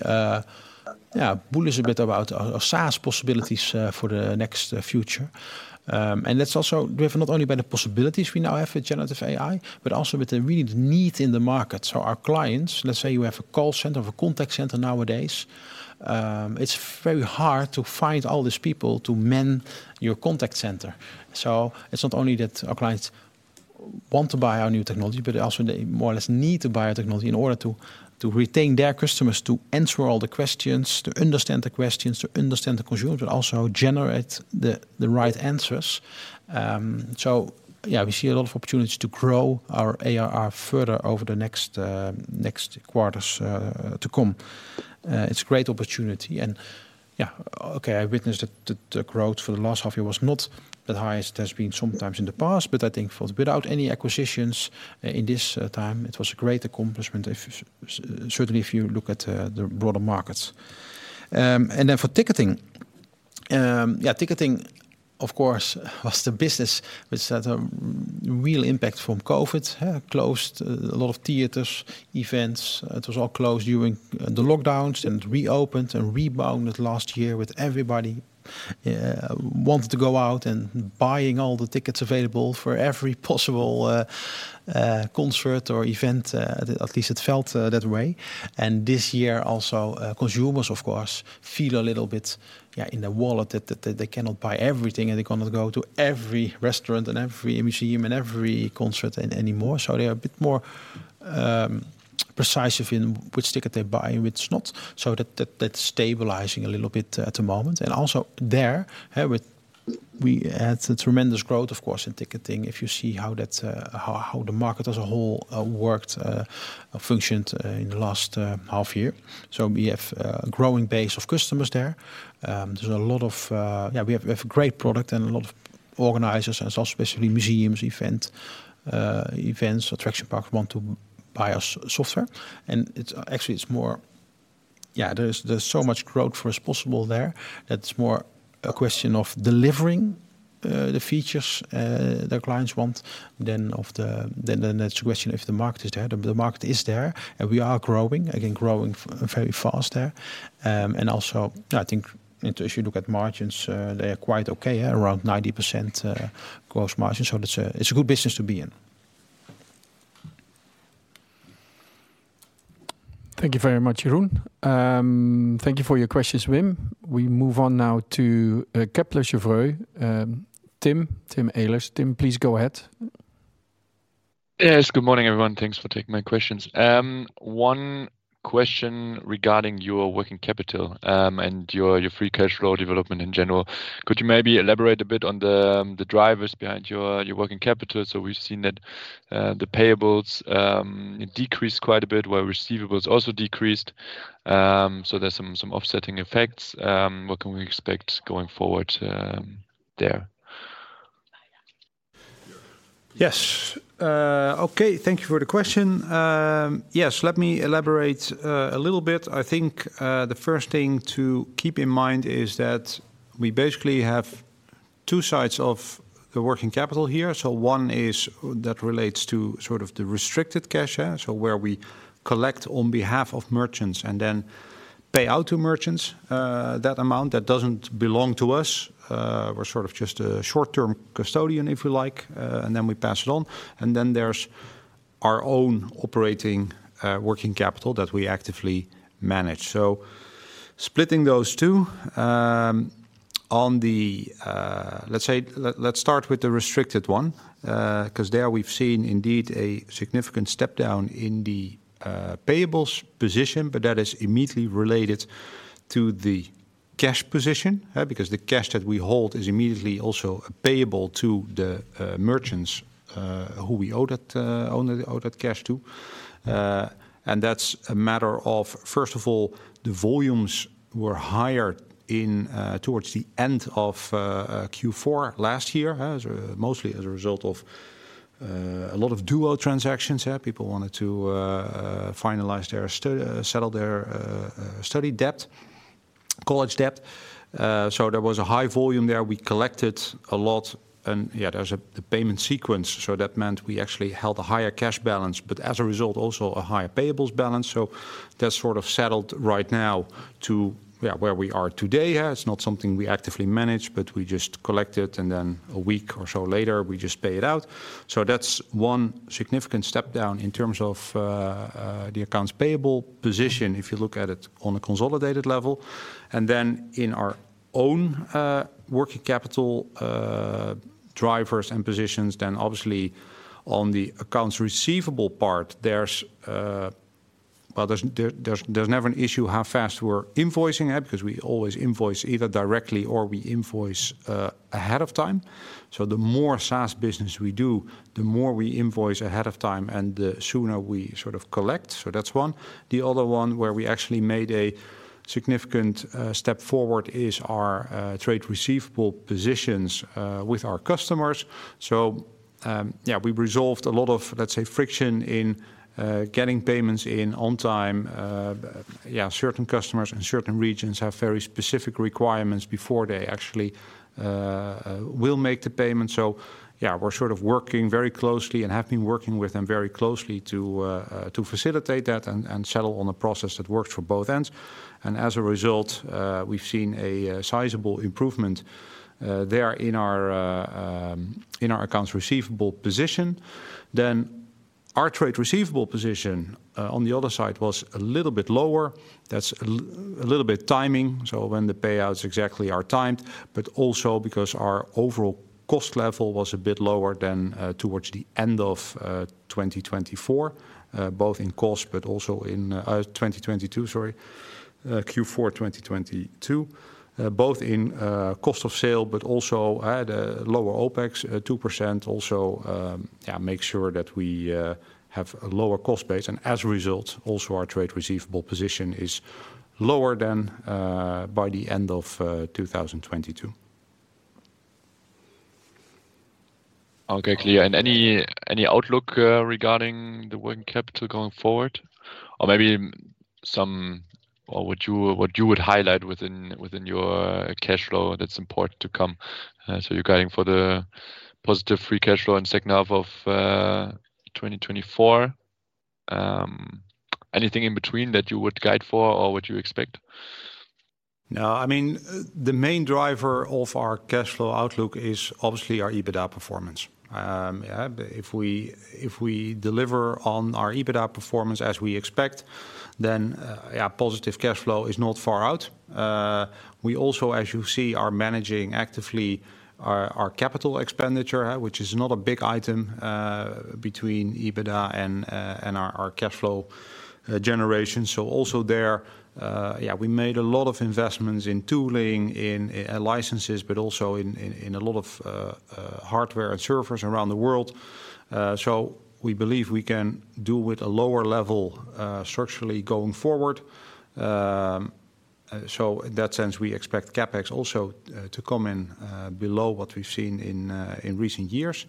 yeah, bullish a bit about our SaaS possibilities for the next future. That's also driven not only by the possibilities we now have with generative AI, but also with the real need in the market. Our clients, let's say you have a call center or a contact center nowadays, it's very hard to find all these people to man your contact center. It's not only that our clients want to buy our new technology, but also they more or less need to buy our technology in order to retain their customers, to answer all the questions, to understand the questions, to understand the consumer, but also generate the right answers. Yeah, we see a lot of opportunities to grow our ARR further over the next next quarters to come. It's a great opportunity and yeah. Okay, I witnessed that the growth for the last half year was not the highest it has been sometimes in the past, but I think without any acquisitions in this time, it was a great accomplishment, if certainly if you look at the broader markets. Then for ticketing, yeah, ticketing, of course, was the business which had a real impact from COVID, huh? Closed a lot of theaters, events. It was all closed during the lockdowns, and reopened and rebounded last year with everybody wanting to go out and buying all the tickets available for every possible concert or event, at least it felt that way. This year, also, consumers, of course, feel a little bit in their wallet, that they cannot buy everything, and they cannot go to every restaurant and every museum and every concert anymore. They are a bit more precise in which ticket they buy and which not. That's stabilizing a little bit at the moment. Also there, we had a tremendous growth, of course, in ticketing, if you see how that, how the market as a whole, worked, functioned, in the last half year. We have a growing base of customers there. There's a lot of... Yeah, we have a great product and a lot of organizers and so specifically, museums, events, attraction parks want to buy our software, and it's, actually, it's more... Yeah, there's so much growth for as possible there. It's more a question of delivering the features their clients want than it's a question if the market is there. The market is there, and we are growing, again, growing very fast there. Also, I think if you look at margins, they are quite okay, around 90%, gross margin. It's a, it's a good business to be in. Thank you very much, Jeroen. Thank you for your questions, Wim. We move on now to Kepler Cheuvreux. Tim Eilers. Tim, please go ahead. Yes, good morning, everyone. Thanks for taking my questions. One question regarding your working capital, and your free cash flow development in general. Could you maybe elaborate a bit on the drivers behind your working capital? We've seen that, the payables, decreased quite a bit, while receivables also decreased. There's some offsetting effects. What can we expect going forward, there? Yes. Okay, thank you for the question. Yes, let me elaborate a little bit. I think the first thing to keep in mind is that we basically have two sides of the working capital here. One is that relates to sort of the restricted cash, yeah? Where we collect on behalf of merchants and then pay out to merchants, that amount, that doesn't belong to us. We're sort of just a short-term custodian, if you like, and then we pass it on. Then there's our own operating working capital that we actively manage. Splitting those two, on the... Let's say, let's start with the restricted one, There we've seen indeed a significant step down in the payables position, that is immediately related to the cash position, because the cash that we hold is immediately also payable to the merchants who we owe that cash to. That's a matter of, first of all, the volumes were higher in towards the end of Q4 last year as mostly as a result of a lot of Duo transactions. People wanted to finalize their settle their study debt, college debt. There was a high volume there. We collected a lot yeah, there's the payment sequence. That meant we actually held a higher cash balance. As a result, also a higher payables balance. That's sort of settled right now to, yeah, where we are today. It's not something we actively manage, but we just collect it, and then a week or so later, we just pay it out. That's one significant step down in terms of the accounts payable position, if you look at it on a consolidated level. In our own working capital drivers and positions, then obviously on the accounts receivable part, there's, well, there's never an issue how fast we're invoicing at, because we always invoice either directly or we invoice ahead of time. The more SaaS business we do, the more we invoice ahead of time, and the sooner we sort of collect. That's one. The other one, where we actually made a significant step forward, is our trade receivable positions with our customers.... yeah, we've resolved a lot of, let's say, friction in getting payments in on time. Yeah, certain customers in certain regions have very specific requirements before they actually will make the payment. Yeah, we're sort of working very closely and have been working with them very closely to facilitate that and settle on a process that works for both ends. As a result, we've seen a sizable improvement there in our accounts receivable position. Our trade receivable position on the other side was a little bit lower. That's a little bit timing, so when the payouts exactly are timed, but also because our overall cost level was a bit lower than towards the end of 2024, both in cost, but also in... 2022, sorry, Q4 2022, both in cost of sale, but also at lower OpEx, 2% also, make sure that we have a lower cost base. As a result, also our trade receivable position is lower than by the end of 2022. Okay, clear. Any outlook regarding the working capital going forward, or maybe what you would highlight within your cash flow that's important to come? You're guiding for the positive free cash flow in H2 of 2024. Anything in between that you would guide for or would you expect? No, I mean, the main driver of our cash flow outlook is obviously our EBITDA performance. Yeah, if we, if we deliver on our EBITDA performance as we expect, then, yeah, positive cash flow is not far out. We also, as you see, are managing actively our capital expenditure, which is not a big item, between EBITDA and our cash flow generation. Also there, yeah, we made a lot of investments in tooling, in licenses, but also in a lot of hardware and servers around the world. We believe we can do with a lower level structurally going forward. In that sense, we expect CapEx also to come in below what we've seen in recent years.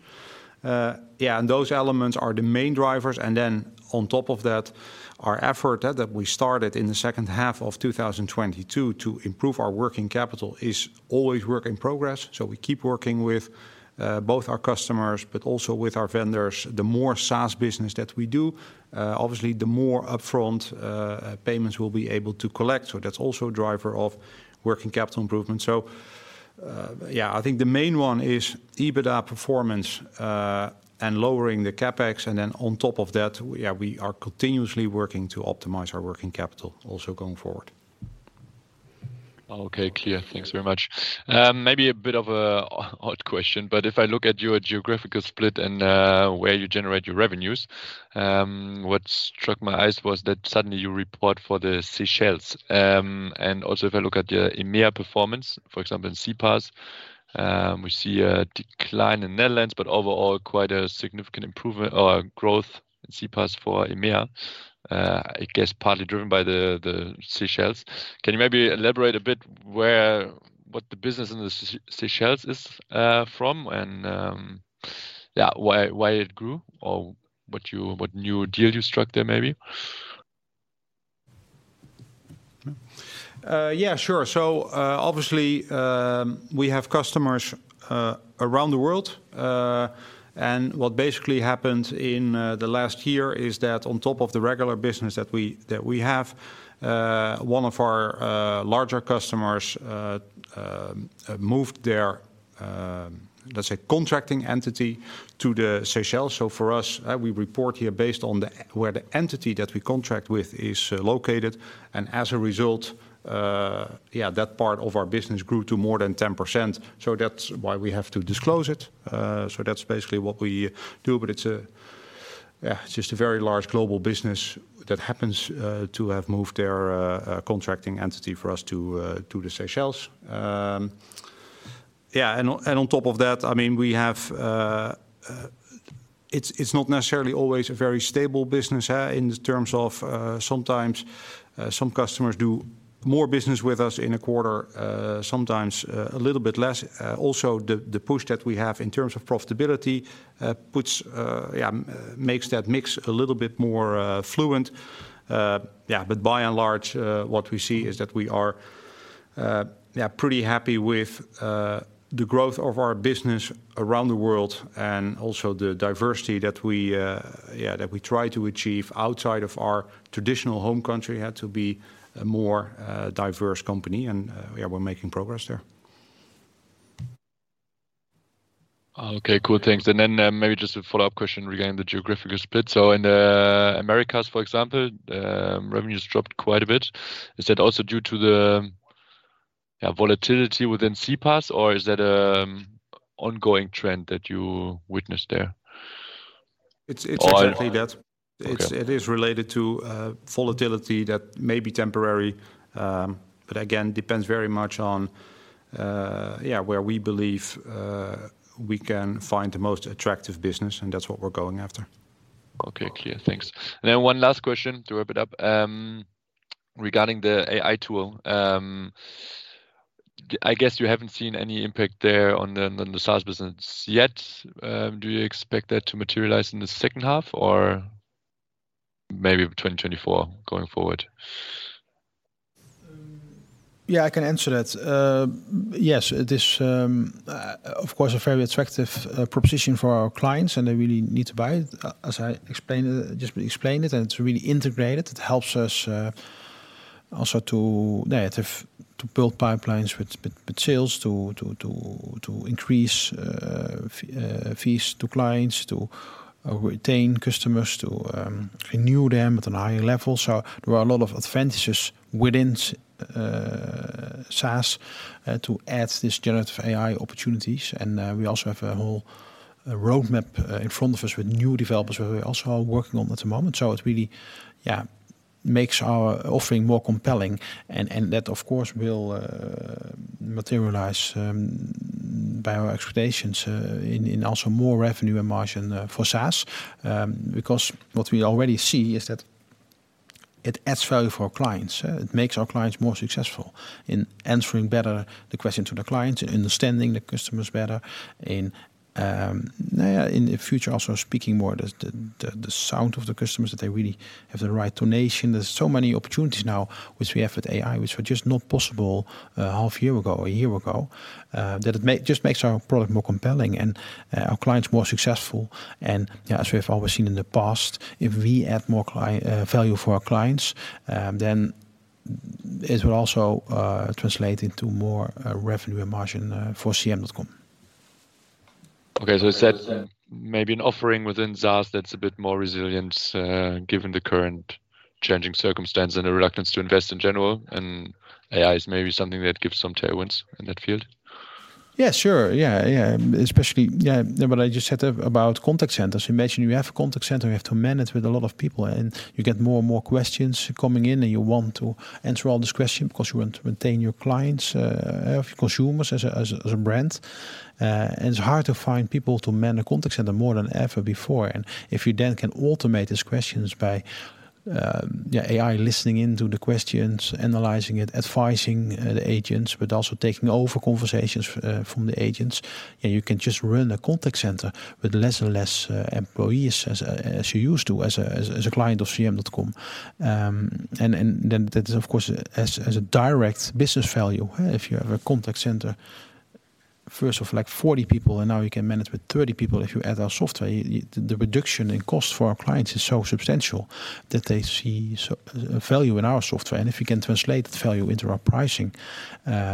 Yeah, those elements are the main drivers. On top of that, our effort that we started in the H2 of 2022 to improve our working capital is always work in progress. We keep working with both our customers, but also with our vendors. The more SaaS business that we do, obviously, the more upfront payments we'll be able to collect. That's also a driver of working capital improvement. Yeah, I think the main one is EBITDA performance and lowering the CapEx. On top of that, yeah, we are continuously working to optimize our working capital also going forward. Okay, clear. Thanks very much. Maybe a bit of an odd question, but if I look at your geographical split and where you generate your revenues, what struck my eyes was that suddenly you report for the Seychelles. Also if I look at your EMEA performance, for example, in CPaaS, we see a decline in Netherlands, but overall quite a significant improvement or growth in CPaaS for EMEA, I guess partly driven by the Seychelles. Can you maybe elaborate a bit what the business in the Seychelles is from, and why it grew or what new deal you struck there, maybe? Yeah, sure. Obviously, we have customers around the world, and what basically happened in the last year is that on top of the regular business that we, that we have, one of our larger customers moved their contracting entity to the Seychelles. For us, we report here based on where the entity that we contract with is located. As a result, that part of our business grew to more than 10%. That's basically what we do, but it's just a very large global business that happens to have moved their contracting entity for us to the Seychelles. On top of that, I mean, we have. It's not necessarily always a very stable business in terms of sometimes some customers do more business with us in a quarter, sometimes a little bit less. Also, the push that we have in terms of profitability puts, makes that mix a little bit more fluent. By and large, what we see is that we are pretty happy with the growth of our business around the world and also the diversity that we try to achieve outside of our traditional home country, had to be a more diverse company, and we're making progress there. Okay, cool. Thanks. Maybe just a follow-up question regarding the geographical split? In the Americas, for example, revenues dropped quite a bit. Is that also due to the volatility within CPaaS, or is that ongoing trend that you witnessed there? It's exactly that. Okay. It is related to volatility that may be temporary, but again, depends very much on, yeah, where we believe, we can find the most attractive business, and that's what we're going after. Okay, clear. Thanks. One last question to wrap it up, regarding the AI tool. I guess you haven't seen any impact there on the sales business yet. Do you expect that to materialize in the H2 or maybe 2024 going forward? Yeah, I can answer that. Yes, it is of course a very attractive proposition for our clients and they really need to buy them. As I explained it, just explained it, and it's really to integrate it. It helps us also to, nay, to build pipeline but with sales, to, to increase fees to clients, to retain customers, to renew them at a higher level, so there are a lot of advantages within SaaS to add this generative AI opportunities and we also have a whole roadmap in front of us with new developers who are also working on it at the moment. So it really It really makes our offering more compelling, and that, of course, will materialize by our expectations in also more revenue and margin for SaaS. What we already see is that it adds value for our clients. It makes our clients more successful in answering better the question to the client, understanding the customers better in the future, also speaking more the sound of the customers, that they really have the right denomination. There's so many opportunities now, which we have with AI, which were just not possible half year ago or a year ago, that it just makes our product more compelling and our clients more successful. As we have always seen in the past, if we add more value for our clients, then it will also translate into more revenue and margin for CM.com. Okay. Is that maybe an offering within SaaS that's a bit more resilient, given the current changing circumstances and the reluctance to invest in general? AI is maybe something that gives some tailwinds in that field. Yeah, sure. Yeah, yeah. Especially what I just said about contact centers. Imagine you have a contact center you have to manage with a lot of people, you get more and more questions coming in, and you want to answer all these questions because you want to maintain your clients, consumers as a brand. It's hard to find people to man a contact center more than ever before. If you then can automate these questions by AI listening in to the questions, analyzing it, advising the agents, but also taking over conversations from the agents, you can just run a contact center with less and less employees as a client of CM.com. That is, of course, as a direct business value, if you have a contact center of 40 people, and now you can manage with 30 people. If you add our software, the reduction in cost for our clients is so substantial that they see so value in our software. If you can translate that value into our pricing,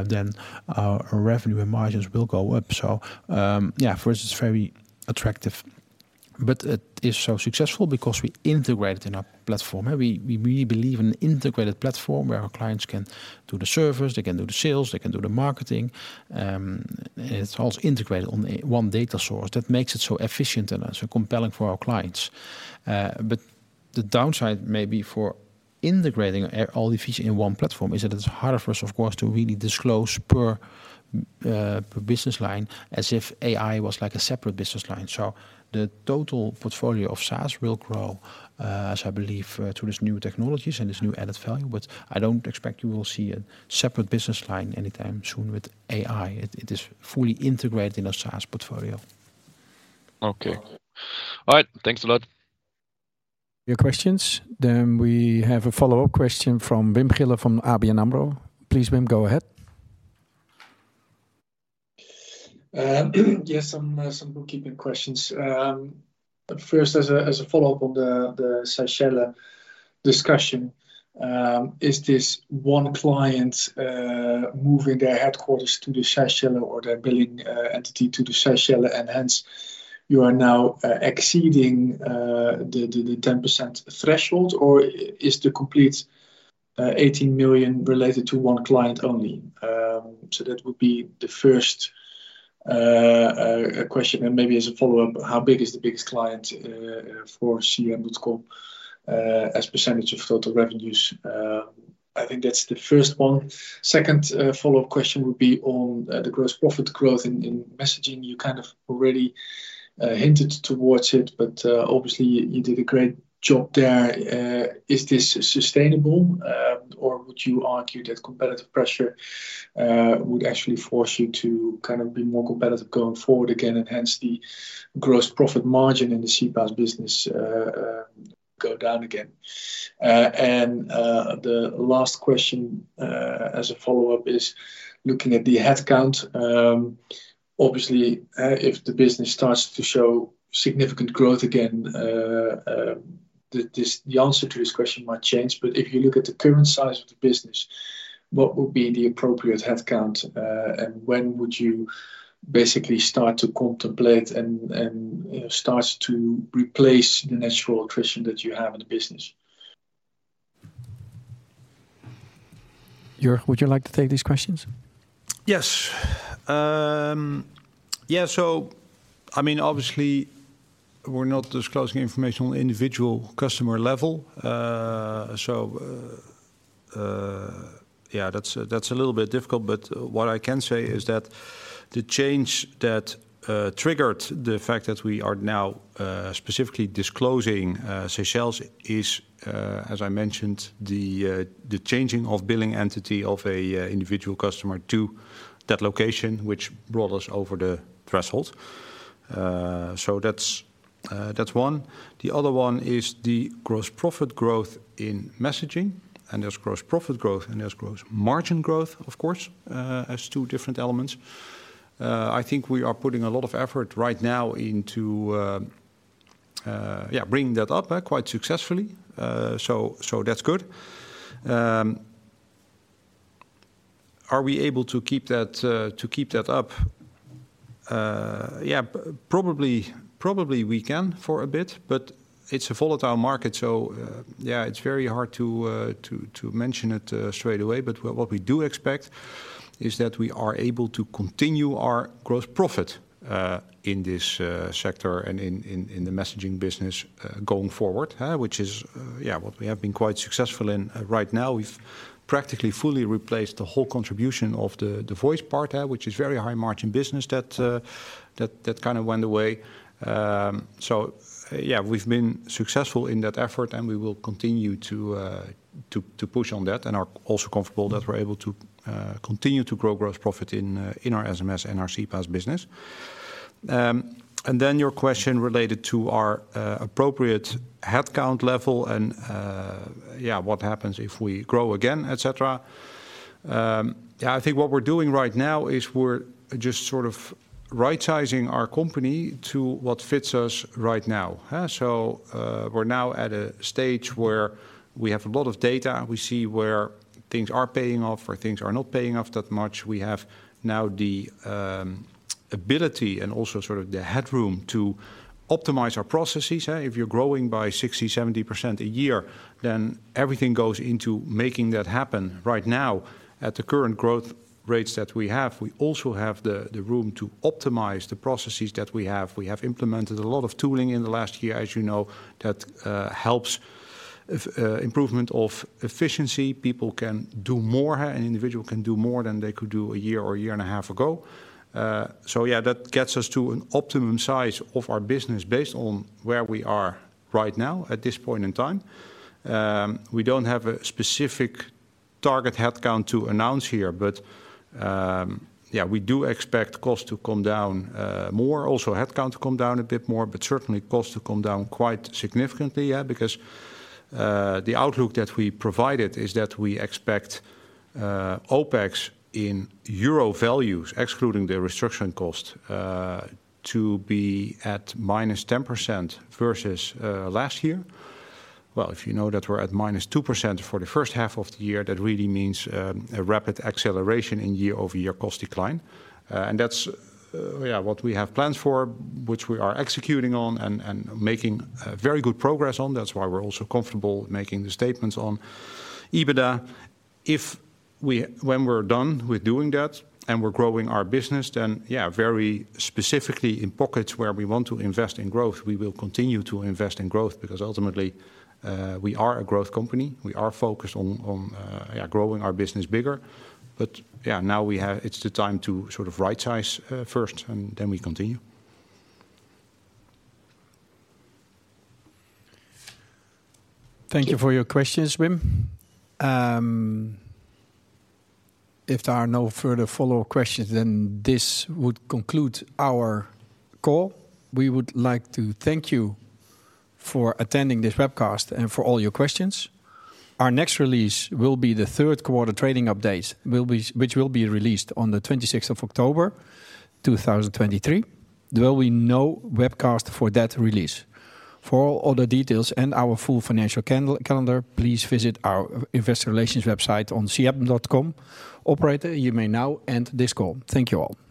then our revenue and margins will go up. Yeah, for us, it's very attractive, but it is so successful because we integrate it in our platform. We really believe in integrated platform where our clients can do the service, they can do the sales, they can do the marketing. It's also integrated on a one data source that makes it so efficient and so compelling for our clients. The downside may be for integrating all the features in one platform is that it's harder for us, of course, to really disclose per business line, as if AI was like a separate business line. The total portfolio of SaaS will grow, as I believe, through these new technologies and this new added value. I don't expect you will see a separate business line anytime soon with AI. It is fully integrated in our SaaS portfolio. Okay. All right, thanks a lot. Your questions. We have a follow-up question from Wim Gille from ABN AMRO. Please, Wim, go ahead. Just some bookkeeping questions. First, as a follow-up on the Seychelles discussion, is this one client moving their headquarters to the Seychelles or their billing entity to the Seychelles, and hence you are now exceeding the 10% threshold? Is the complete 18 million related to one client only? That would be the first question. Maybe as a follow-up, how big is the biggest client for CM.com as percentage of total revenues? I think that's the first one. Second, follow-up question would be on the gross profit growth in messaging. You kind of already hinted towards it, but obviously you did a great job there. Is this sustainable, or would you argue that competitive pressure would actually force you to kind of be more competitive going forward again, and hence the gross profit margin in the CPaaS business go down again? The last question, as a follow-up, is looking at the headcount. Obviously, if the business starts to show significant growth again, the answer to this question might change. If you look at the current size of the business, what would be the appropriate headcount, and when would you basically start to contemplate and start to replace the natural attrition that you have in the business? Jeroen, would you like to take these questions? Yes. yeah, I mean, obviously, we're not disclosing information on individual customer level.... yeah, that's a little bit difficult, but what I can say is that the change that triggered the fact that we are now specifically disclosing Seychelles is, as I mentioned, the changing of billing entity of a individual customer to that location, which brought us over the threshold. That's one. The other one is the gross profit growth in messaging, and there's gross profit growth, and there's gross margin growth, of course, as two different elements. I think we are putting a lot of effort right now into, yeah, bringing that up quite successfully. That's good. Are we able to keep that up? Yeah, probably we can for a bit, it's a volatile market, it's very hard to mention it straight away. What we do expect is that we are able to continue our gross profit in this sector and in the messaging, business going forward, which is what we have been quite successful in. Right now, we've practically fully replaced the whole contribution of the voice part, which is very high margin business that kind of went away. Yeah, we've been successful in that effort, and we will continue to push on that and are also comfortable that we're able to continue to grow gross profit in our SMS and our CPaaS business. Then your question related to our appropriate headcount level and, yeah, what happens if we grow again, et cetera. Yeah, I think what we're doing right now is we're just sort of right-sizing our company to what fits us right now. We're now at a stage where we have a lot of data. We see where things are paying off, where things are not paying off that much. We have now the ability and also sort of the headroom to optimize our processes, eh? If you're growing by 60%, 70% a year, then everything goes into making that happen. Right now, at the current growth rates that we have, we also have the room to optimize the processes that we have. We have implemented a lot of tooling in the last year, as you know, that helps improvement of efficiency. People can do more, an individual can do more than they could do a year or a year and a half ago. Yeah, that gets us to an optimum size of our business based on where we are right now at this point in time. We don't have a specific target headcount to announce here, but yeah, we do expect costs to come down more, also headcount to come down a bit more, but certainly costs to come down quite significantly, yeah. The outlook that we provided is that we expect OPEX in EUR values, excluding the restructuring cost, to be at minus 10% versus last year. Well, if you know that we're at -2% for the H1 of the year, that really means a rapid acceleration in year-over-year cost decline. That's, yeah, what we have plans for, which we are executing on and making very good progress on. That's why we're also comfortable making the statements on EBITDA. When we're done with doing that and we're growing our business, then, yeah, very specifically in pockets where we want to invest in growth, we will continue to invest in growth, because ultimately, we are a growth company. We are focused on, yeah, growing our business bigger. Yeah, now it's the time to sort of right-size first, and then we continue. Thank you for your questions, Wim. If there are no further follow-up questions, this would conclude our call. We would like to thank you for attending this webcast and for all your questions. Our next release will be the Q3 trading update, which will be released on the 26th of October 2023. There will be no webcast for that release. For all other details and our full financial calendar, please visit our investor relations website on CM.com. Operator, you may now end this call. Thank you all.